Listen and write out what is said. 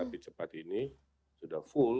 api cepat ini sudah full